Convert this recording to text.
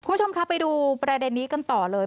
คุณผู้ชมคะไปดูประเด็นนี้กันต่อเลย